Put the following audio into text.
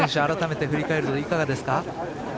改めて振り返るといかがですか。